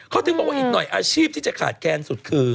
เขาถึงบอกว่าอีกหน่อยอาชีพที่จะขาดแค้นสุดคือ